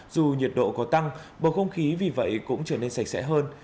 dù nhiệt độ có tăng bầu không khí vì vậy cũng trở nên sạch sẽ hơn